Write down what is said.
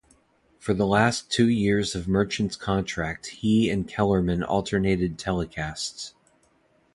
For the last two years of Merchant's contract he and Kellerman alternated telecasts.